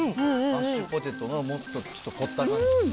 マッシュポテトのもっと凝った感じ。